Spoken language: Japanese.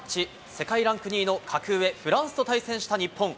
世界ランク２位の格上、フランスと対戦した日本。